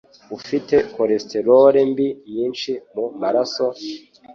ufite Cholesterol mbi nyinshi mu maraso,